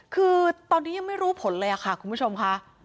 คือตอนนี้ยังไม่รู้ผลเลยค่ะคุณผู้ชมค่ะ